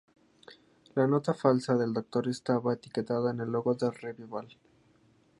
La nota falsa del doctor estaba etiquetada con el logo de Revival.